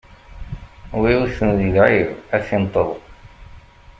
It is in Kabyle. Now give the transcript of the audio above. Wi iwwten di lɛib, ad t-inṭeḍ.